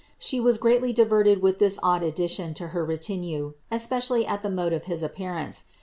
She ws greatly diverted with this odd addition to her retinue, especially at mode of his appearance.